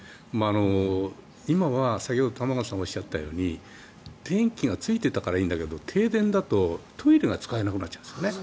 今は先ほど玉川さんがおっしゃったように電気がついてたからいいんだけど停電だとトイレが使えなくなっちゃうんですよね。